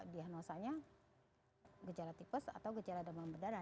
diagnosanya gejala tipes atau gejala demam berdarah